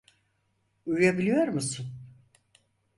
Uyuyabiliyor musun?